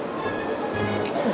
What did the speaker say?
bukannya kamu harus ngurus perempuan ini